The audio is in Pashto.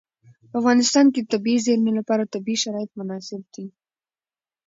په افغانستان کې د طبیعي زیرمې لپاره طبیعي شرایط مناسب دي.